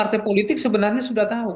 partai politik sebenarnya sudah tahu